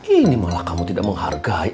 ini malah kamu tidak menghargai